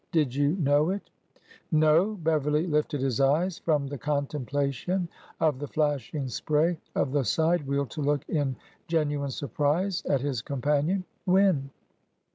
Did you know it ?" 68 ORDER NO. 11 No.'' Beverly lifted his eyes from the contemplation of the flashing spray of the side wheel to look in genuine surprise at his companion. When